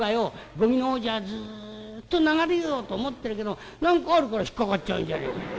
ごみのほうじゃずっと流れようと思ってるけども何かあるから引っ掛かっちゃうんじゃねえか。